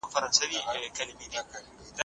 د بغلان مرکزي ښار پلخمري دی.